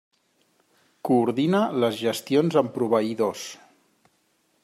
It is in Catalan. Coordina les gestions amb proveïdors.